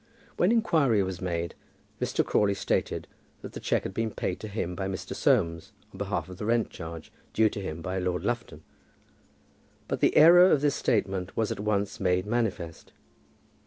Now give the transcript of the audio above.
When inquiry was made, Mr. Crawley stated that the cheque had been paid to him by Mr. Soames, on behalf of the rentcharge due to him by Lord Lufton. But the error of this statement was at once made manifest.